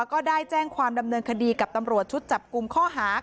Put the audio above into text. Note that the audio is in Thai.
ก็ได้แจ้งความดำเนินคดีกับตำรวจชุดจับกลุ่มข้อหา